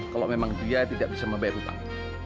kalau memang dia tidak bisa membayar hutang